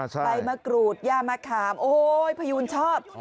ใบมะกรูดย่ามะขามโอ้ยพยูนชอบ